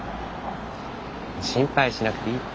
心配しなくていいって。